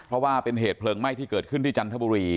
เพราะว่าเป็นเหตุเพลิงไหม้ที่เกิดขึ้นที่จันทบุรี